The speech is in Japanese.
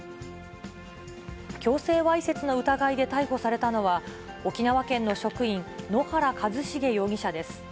強制わいせつの疑いで逮捕されたのは、沖縄県の職員、野原一茂容疑者です。